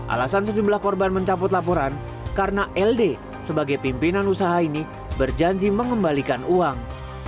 alasan sejumlah korban mencabut laporan karena ld sebagai pimpinan usaha ini berjanji mengembalikan uang